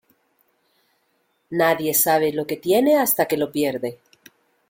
Nadie sabe lo que tiene hasta que lo pierde.